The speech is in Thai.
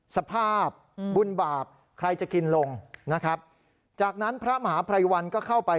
สภาพบุญบาปใครจะกินลงนะครับจากนั้นพระมหาภัยวันก็เข้าไป